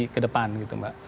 ke depan gitu mbak